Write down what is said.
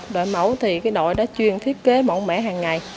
đội mẫu thì cái đội đó chuyên thiết kế mẫu mẻ hàng ngày